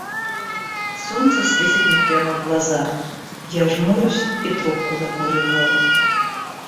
Солнце светит мне прямо в глаза, я жмурюсь и трубку закуриваю.